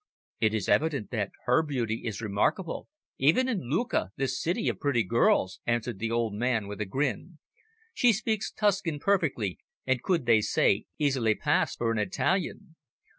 "It is evident that her beauty is remarkable, even in Lucca, this city of pretty girls," answered the old man with a grin. "She speaks Tuscan perfectly, and could, they say, easily pass for an Italian.